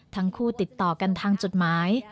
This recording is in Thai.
ทั้งคู่ติดต่อกันทางจดหมาย